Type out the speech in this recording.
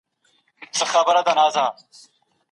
هوا نن تر بل هر وخت ډېره ګرمه ده.